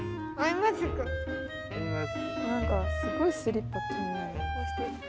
何かすごいスリッパ気になる。